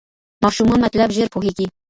ماشومان مطلب ژر پوهېږي.